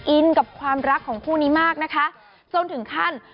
อินกับความรักของคู่นี้มากนะคะจนถึงขั้น